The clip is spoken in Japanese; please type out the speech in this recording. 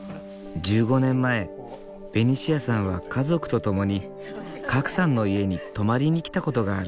１５年前ベニシアさんは家族とともに賀来さんの家に泊まりにきたことがある。